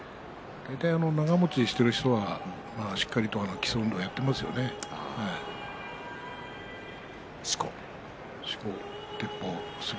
大体長もちしている人はしっかりと基礎運動をやっていしこですね。